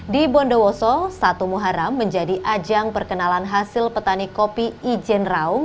di bondowoso satu muharam menjadi ajang perkenalan hasil petani kopi ijen raung